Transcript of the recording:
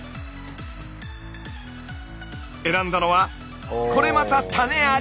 選んだのはこれまた種あり！